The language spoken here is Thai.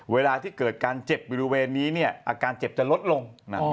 เวลาที่เกิดการเจ็บบริเวณนี้อาการเจ็บจะลดลง